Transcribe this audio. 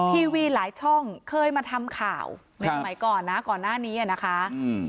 ทีวีหลายช่องเคยมาทำข่าวในสมัยก่อนนะก่อนหน้านี้อ่ะนะคะอืม